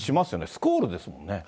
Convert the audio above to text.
スコールですよね。